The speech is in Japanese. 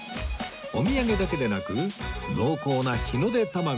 お土産だけでなく濃厚な日の出たまご